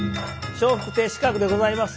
笑福亭枝鶴でございます。